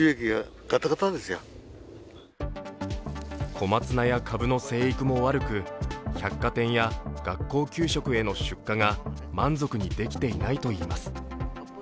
小松菜やかぶの生育も悪く、百貨店や学校給食への出荷が満足にできていないといいます。